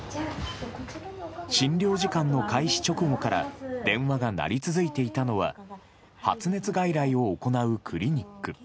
診療時間の開始直後から、電話が鳴り続いていたのは、発熱外来を行うクリニック。